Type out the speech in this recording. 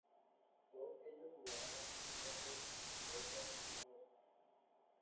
Todos ellos jugarán un papel en la historia del Viejo Norte.